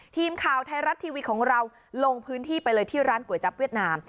ทีมข่าวไทยรัฐทีวีของเราลงพื้นที่ไปเลยที่ร้านก๋วยจับเวียดนาม